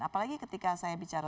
apalagi ketika saya bicara